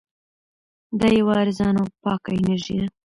دا یوه ارزانه او پاکه انرژي ده.